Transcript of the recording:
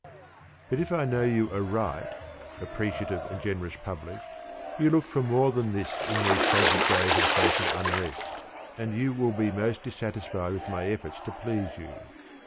_ _But if I know you aright, appreciative and generous Public, you look for more than this in these tragic days of social unrest, and you will be most dissatisfied with my efforts to please you.